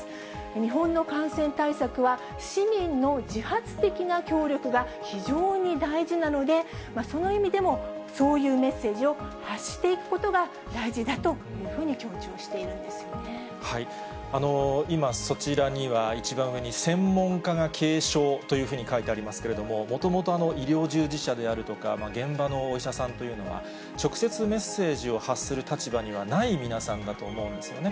日本の感染対策は市民の自発的な協力が非常に大事なので、その意味でも、そういうメッセージを発していくことが大事だというふうに強調し今、そちらには一番上に、専門家が警鐘というふうに書いてありますけれども、もともと医療従事者であるとか、現場のお医者さんというのは、直接メッセージを発する立場にはない皆さんだと思うんですよね。